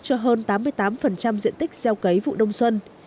cho hơn tám mươi tám diện tích gieo cấy vụ đông xuân